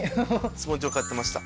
スポンジを買ってました。